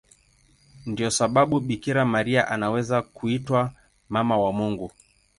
Ndiyo sababu Bikira Maria anaweza kuitwa Mama wa Mungu.